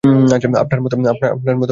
আপনার মত একজন গুণী লোক।